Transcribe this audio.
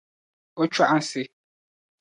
O chɔɣinsi.